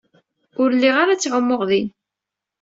Ur lliɣ ara ttɛumuɣ din.